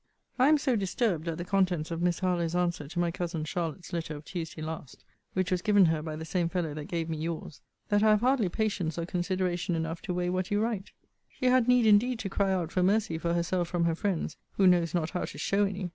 I am so disturbed at the contents of Miss Harlowe's answer to my cousin Charlotte's letter of Tuesday last, (which was given her by the same fellow that gave me your's,) that I have hardly patience or consideration enough to weigh what you write. She had need indeed to cry out for mercy for herself from her friends, who knows not how to show any!